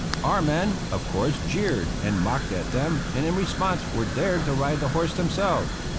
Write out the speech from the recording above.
Our men, of course, jeered and mocked at them, and in response were dared to ride the horse themselves.